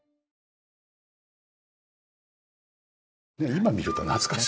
今見ると懐かしい。